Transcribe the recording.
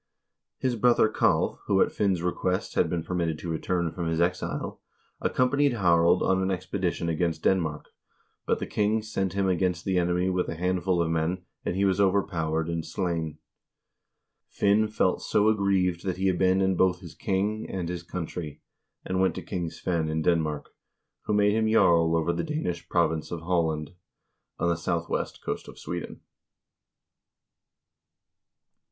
His brother Kalv, who at Finn's request had been permitted to return from his exile, accompanied Harald on an expedition against Den mark, but the king sent him against the enemy with a handful of men, and he was overpowered and slain. Finn felt so aggrieved that he abandoned both his king and his country, and went to King Svein in Denmark, who made him jarl over the Danish province of Halland, on the southwest coast of Sweden.